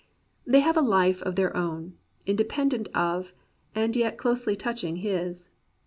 They have a life of their own, independent of, and yet closely touching his.